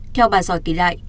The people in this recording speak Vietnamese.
theo bà giỏi kể lại